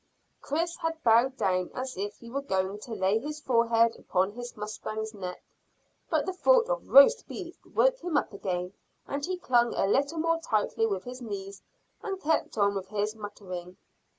Chris's head bowed down as if he were going to lay his forehead upon his mustang's neck; but the thought of roast beef woke him up again, and he clung a little more tightly with his knees and kept on with his muttering.